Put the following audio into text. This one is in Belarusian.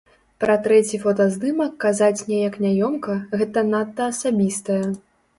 Пра трэці фотаздымак казаць неяк няёмка, гэта надта асабістае.